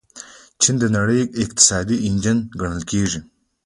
چین د نړۍ اقتصادي انجن ګڼل کیږي.